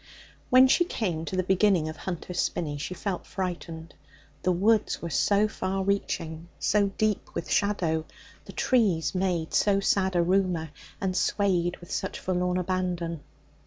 When she came to the beginning of Hunter's Spinney she felt frightened; the woods were so far reaching, so deep with shadow; the trees made so sad a rumour, and swayed with such forlorn abandon.